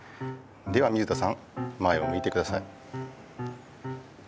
では水田さん前をむいてください。